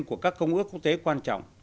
của các công ước quốc tế quan trọng